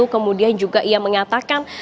kemudian juga ia mengatakan